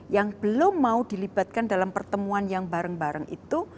yang belum mau dilibatkan dalam pertemuan yang bareng bareng itu